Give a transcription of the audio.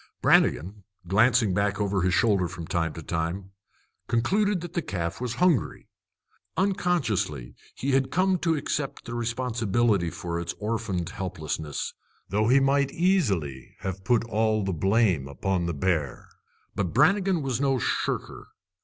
Brannigan, glancing back over his shoulder from time to time, concluded that the calf was hungry. Unconsciously, he had come to accept the responsibility for its orphaned helplessness, though he might easily have put all the blame upon the bear. But Brannigan was no shirker.